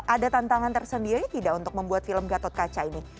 ada tantangan tersendiri tidak untuk membuat film gatot kaca ini